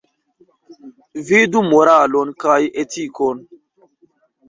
Vidu moralon kaj etikon.